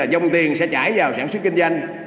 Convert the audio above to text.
dông tiền sẽ trải vào sản xuất kinh doanh